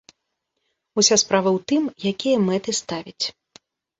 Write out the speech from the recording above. Уся справа ў тым, якія мэты ставіць.